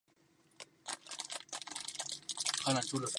Esta nueva línea aprovecharía en parte el antiguo trazado del ferrocarril.